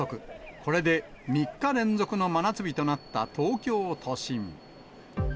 これで３日連続の真夏日となった東京都心。